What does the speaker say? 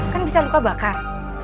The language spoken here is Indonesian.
kan bisa luka bakar